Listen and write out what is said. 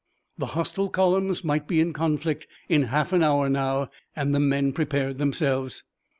The hostile columns might be in conflict in a half hour now, and the men prepared themselves.